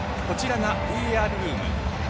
こちらがＶＡＲルーム。